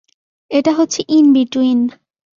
এটা হচ্ছে in between.